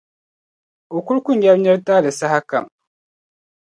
O kul ku nyari nir’ taali sahakam.